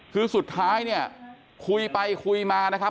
คือสุดท้ายเนี่ยคุยไปคุยมานะครับ